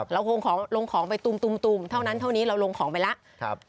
คงของลงของไปตุมเท่านั้นเท่านี้เราลงของไปแล้ว